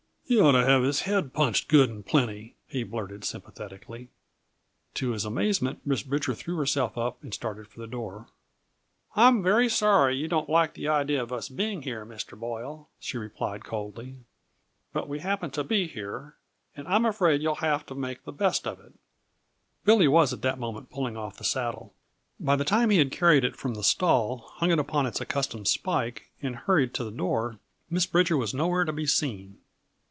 "He ought to have his head punched good and plenty!" he blurted sympathetically. To his amazement Miss Bridger drew herself up and started for the door. "I'm very sorry you don't like the idea of us being here, Mr. Boyle," she replied coldly, "but we happen to be here, and I'm afraid you'll just have to make the best of it!" Billy was at that moment pulling off the saddle. By the time he had carried it from the stall, hung it upon its accustomed spike and hurried to the door, Miss Bridger was nowhere to be seen.